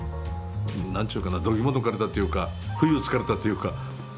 何ちゅうかなどぎも抜かれたというか不意をつかれたというか。